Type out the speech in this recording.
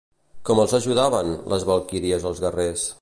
Com els ajudaven, les valquíries als guerrers?